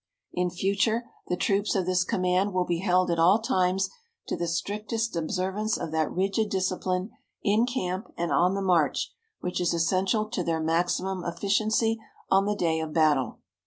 "In future the troops of this command will be held at all times to the strictest observance of that rigid discipline in camp and on the march which is essential to their maximum efficiency on the day of battle."